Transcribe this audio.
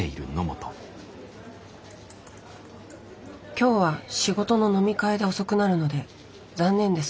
「今日は仕事の飲み会で遅くなるので残念ですが行けません」。